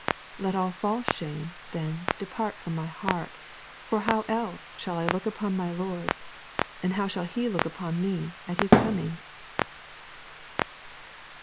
Let all false shame, then, depart from my heart, for how else shall I look upon my Lord, and how shall He look upon me at His coming?